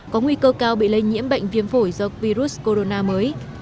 có nguy cơ cao bị lây nhiễm bệnh viêm phổi do virus corona mới